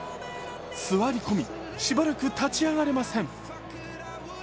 座り込み、しばらく立ち上がれません。